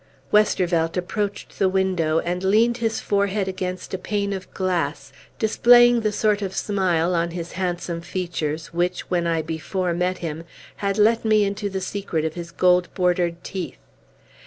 Westervelt approached the window, and leaned his forehead against a pane of glass, displaying the sort of smile on his handsome features which, when I before met him, had let me into the secret of his gold bordered teeth.